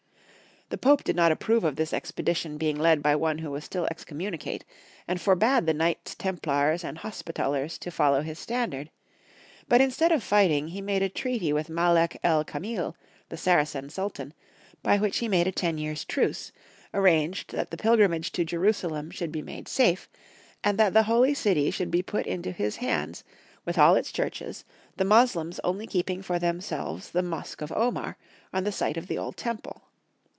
The Pope did not approve of this expedition being led FBKDHUlCa U. PvnsSQ OS IBS CBOWH OF JJCUUeALBJl. Friedrich II. 169 by one who was still excommunicate, and forbade the Knights Templars and Hospitallers to follow his standard; but instead of fighting he made a treaty with Malek el Kameel, the Saracen Sultan, by which he made a ten years' truce, arranged that the pilgrimage to Jerusalem should be made safe, and that the Holy City should be put into his hands, with all its churches, the Moslems only keeping for themselves the Mosque of Omar, on the site of the old Temple.